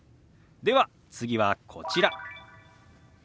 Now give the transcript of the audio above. では次はこちら。